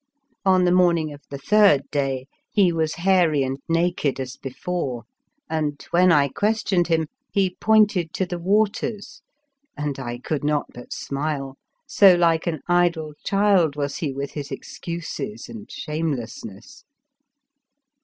On the morning of the third day he was hairy and naked as before, and, when 129 The Fearsome Island I questioned him, he pointed to the waters, and I could not but smile, so like an idle child was he with his ex cuses and shamelessness.